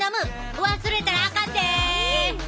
忘れたらあかんで！